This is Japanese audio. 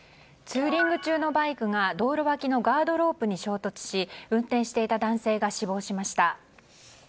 ツーリング中のバイクが道路脇のガードロープに衝突し運転していた男性が死亡しました。